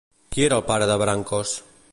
Qui era el pare de Brancos?